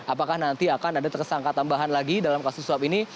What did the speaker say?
apakah nanti akan ada tersangka tambahan lagi dalam kasus suap ini